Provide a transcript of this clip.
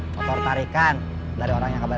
pliers cuma begini sayang bebas